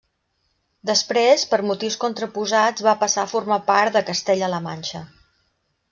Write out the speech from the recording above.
Després, per motius contraposats va passar a formar part de Castella-la Manxa.